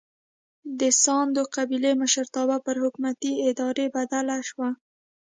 د ساندو قبیلې مشرتابه پر حکومتي ادارې بدله شوه.